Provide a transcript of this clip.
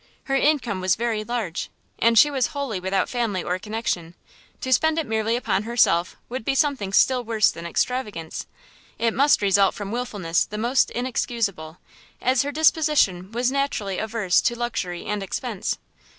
Her income was very large, and she was wholly without family or connection; to spend it merely upon herself would be something still worse than extravagance, it must result from wilfulness the most inexcusable, as her disposition was naturally averse to luxury and expence.